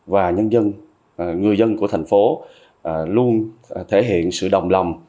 và nhân dân người dân của thành phố luôn thể hiện sự đồng lòng